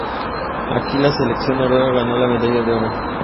Aquí la selección noruega ganó la medalla de oro.